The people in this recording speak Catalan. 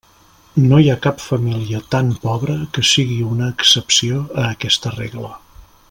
No hi ha cap família tan pobra que sigui una excepció a aquesta regla.